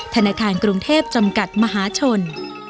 ธนาคารกรุงเทพจำกัดมหาชน